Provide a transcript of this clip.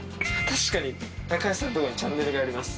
確かに高橋さんのとこにチャンネルがあります